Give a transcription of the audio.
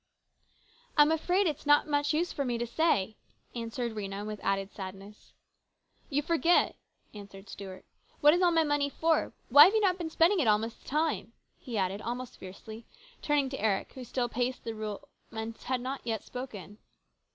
" I'm afraid it's not much use for me to say," answered Rhena with added sadness. " You forget," answered Stuart. " What is all my money for ? Why have you not been spending it all this time ?" he asked almost fiercely, turning to Eric, who still paced the room and who had not yet spoken.